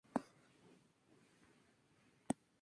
Estudió interno en las Escuelas Pías de Sarriá.